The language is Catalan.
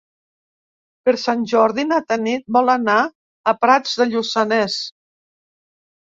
Per Sant Jordi na Tanit vol anar a Prats de Lluçanès.